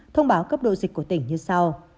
thông báo cấp độ dịch của tỉnh như sau